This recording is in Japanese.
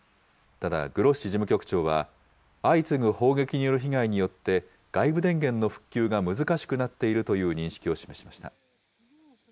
ただ、グロッシ事務局長は、相次ぐ砲撃による被害によって、外部電源の復旧が難しくなっているという認識を示しました。